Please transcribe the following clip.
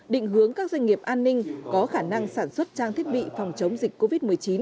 định hướng các doanh nghiệp an ninh có khả năng sản xuất trang thiết bị phòng chống dịch covid một mươi chín